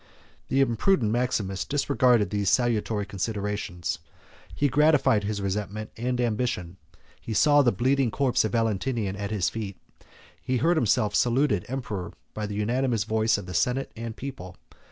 The imprudent Maximus disregarded these salutary considerations; he gratified his resentment and ambition; he saw the bleeding corpse of Valentinian at his feet; and he heard himself saluted Emperor by the unanimous voice of the senate and people.